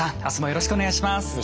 明日もよろしくお願いします。